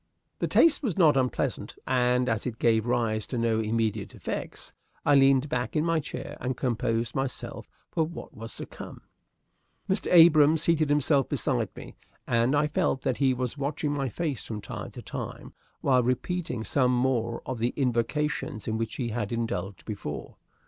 The taste was not unpleasant; and, as it gave rise to no immediate effects, I leaned back in my chair and composed myself for what was to come. Mr. Abrahams seated himself beside me, and I felt that he was watching my face from time to time while repeating some more of the invocations in which he had indulged before.